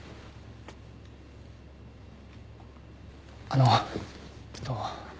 あのえっと。